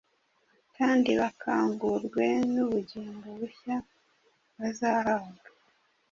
kandi bakangurwe n’ubugingo bushya bazahabwa.